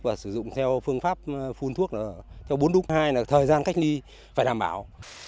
và sử dụng theo phương pháp phun thuốc theo bốn lúc hai là thời gian cách ly phải đảm bảo